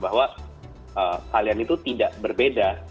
bahwa kalian itu tidak berbeda